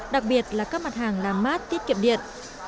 đặc biệt là các mặt hàng làm mát tiết kiệm điện